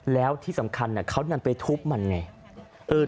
แล้วที่สำคัญเขานำไปทุบมันไง